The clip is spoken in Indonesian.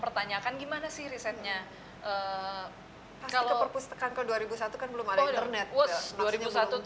pertanyaan gimana sih risetnya kalau perpustakaan ke dua ribu satu kan belum ada internet